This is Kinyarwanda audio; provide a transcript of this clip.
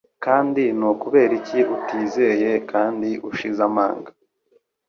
Kandi ni ukubera iki utizeye kandi ushize amanga